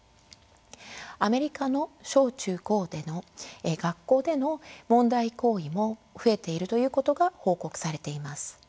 アメリカの小中高での学校での問題行為も増えているということが報告されています。